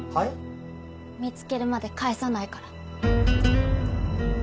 見つけるまで帰さないから。